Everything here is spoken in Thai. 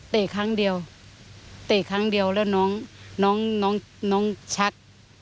ครั้งเดียวเตะครั้งเดียวแล้วน้องชัก